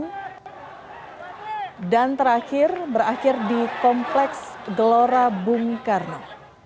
dan terakhir berakhir di kompleks gelora bung karno